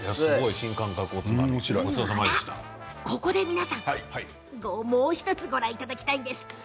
ここで皆さんもう１つご覧いただきたいです。